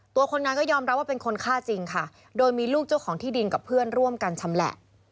คนงานก็ยอมรับว่าเป็นคนฆ่าจริงค่ะโดยมีลูกเจ้าของที่ดินกับเพื่อนร่วมกันชำแหละ